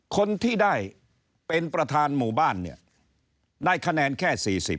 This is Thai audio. คนที่ได้เป็นประธานหมู่บ้านเนี่ยได้คะแนนแค่๔๐